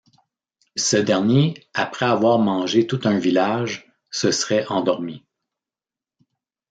Ce dernier après avoir mangé tout un village se serait endormi.